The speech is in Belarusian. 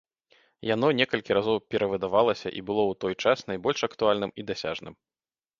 Яно некалькі разоў перавыдавалася і было ў той час найбольш актуальным і дасяжным.